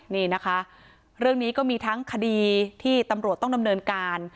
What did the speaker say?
นี่นะคะเรื่องนี้ก็มีทั้งคดีที่ตำรวจต้องดำเนินการ